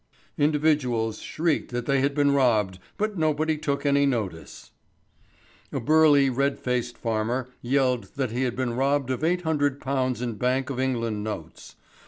Individuals shrieked that they had been robbed, but nobody took any notice. A burly, red faced farmer yelled that he had been robbed of £800 in Bank of England notes.